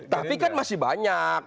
tapi kan masih banyak